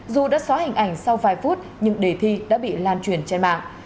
dù đã xóa hình ảnh sau vài phút nhưng đề thi đã bị lan truyền trên mạng